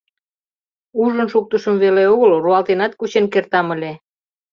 Ужын шуктышым веле огыл, руалтенат кучен кертам ыле.